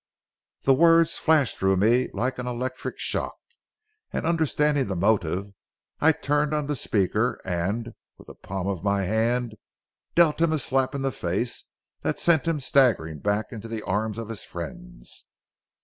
The words flashed through me like an electric shock, and understanding the motive, I turned on the speaker and with the palm of my hand dealt him a slap in the face that sent him staggering back into the arms of his friends.